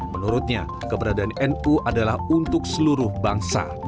menurutnya keberadaan nu adalah untuk seluruh bangsa